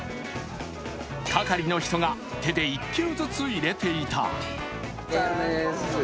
係の人が手で１球ずつ入れていた。